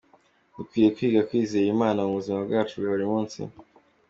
Dukwiriye kwiga kwizera Imana mu buzima bwacu bwa buri munsi.